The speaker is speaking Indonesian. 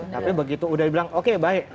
tapi begitu udah bilang oke baik